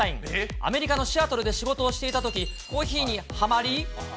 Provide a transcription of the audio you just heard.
アメリカのシアトルで仕事をしていたとき、コーヒーにはまり。